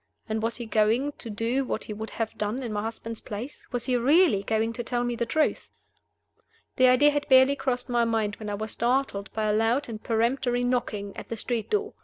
And was he going to do what he would have done in my husband's place? was he really going to tell me the truth? The idea had barely crossed my mind when I was startled by a loud and peremptory knocking at the street door.